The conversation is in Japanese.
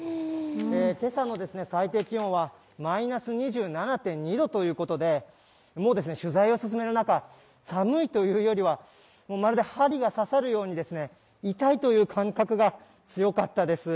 今朝の最低気温はマイナス２７．２度ということで、もう取材を進める中、寒いというよりはまるで針が刺さるように痛いという感覚が強かったです。